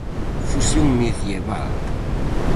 Fusión medieval.